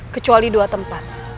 kecuali dua tempat